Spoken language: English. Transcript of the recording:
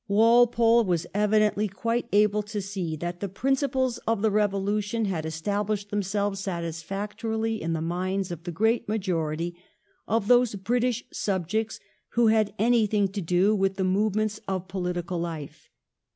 Walpole was evidently quite able to see that the principles of the Eevolution had established themselves satisfactorily in the minds of the great majority of those British subjects who had any thing to do with the movements of political life.